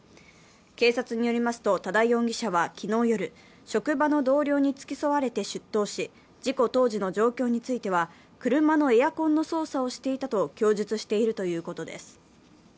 警察によりますと、多田容疑者は昨日夜、職場の同僚に付き添われて出頭し事故当時の状況については車のエアコンの操作をしていたと供述しているいうことです。